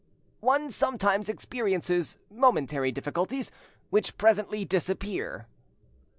"One sometimes experiences momentary difficulties, which presently disappear."